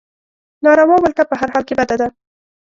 ناروا ولکه په هر حال کې بده ده.